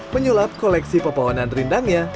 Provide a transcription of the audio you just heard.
menyulap koleksi pepohonan rindangnya